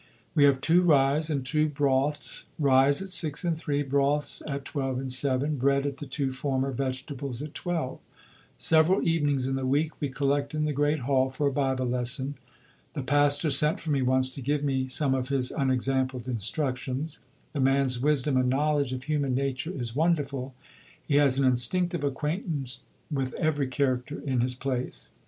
We have two ryes and two broths ryes at 6 and 3, broths at 12 and 7; bread at the two former, vegetables at 12. Several evenings in the week we collect in the Great Hall for a Bible lesson. The Pastor sent for me once to give me some of his unexampled instructions; the man's wisdom and knowledge of human nature is wonderful; he has an instinctive acquaintance with every character in his place.